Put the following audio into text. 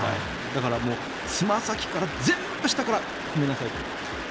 だから、つま先から全部、下から褒めなさいと。